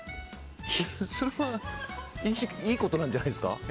それはいいことなんじゃないですか。